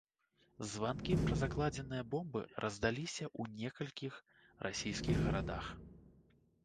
Званкі пра закладзеныя бомбы раздаліся ў некалькіх расійскіх гарадах.